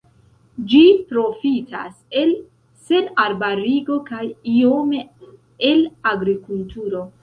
Ĝi profitas el senarbarigo kaj iome el agrikulturo.